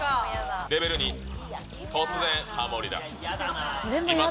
レベル２、突然はもりだす。